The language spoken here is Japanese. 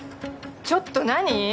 ・ちょっと何？